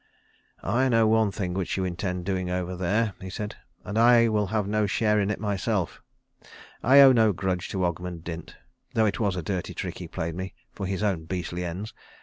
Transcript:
"I know one thing which you intend doing over there," he said, "and I will have no share in it myself. I owe no grudge to Ogmund Dint, though it was a dirty trick he played me for his own beastly ends.